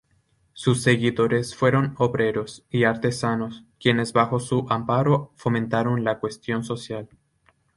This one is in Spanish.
Sus seguidores fueron obreros y artesanos quienes bajo su amparo fomentaron la cuestión social.